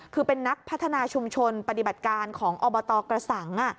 คือเป็นนักพัฒนาชุมชนปฏิบัติการของอบตกระสัง